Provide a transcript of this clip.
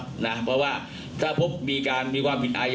นะครับผมก็ต้องให้การว่าเขาให้การว่าเขาให้การขัดแย้งข้อเรียกจริงนะครับ